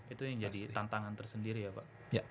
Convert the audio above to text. itu yang jadi tantangan tersendiri ya pak